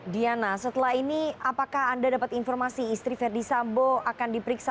diana setelah ini apakah anda dapat informasi istri verdi sambo akan diperiksa